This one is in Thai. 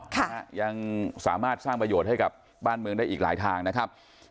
ค่ะยังสามารถสร้างประโยชน์ให้กับบ้านเมืองได้อีกหลายทางนะครับ